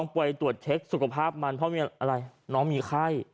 พี่ขอบคุณมากเลยนะ